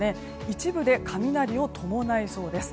一部で雷を伴いそうです。